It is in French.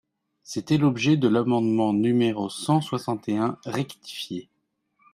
C’était l’objet de l’amendement numéro cent soixante et un rectifié.